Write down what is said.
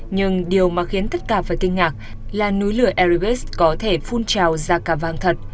nhưng điều mà khiến tất cả phải kinh ngạc là núi lửa arigest có thể phun trào ra cả vàng thật